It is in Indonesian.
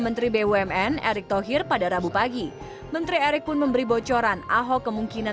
menteri bumn erick thohir pada rabu pagi menteri erick pun memberi bocoran ahok kemungkinan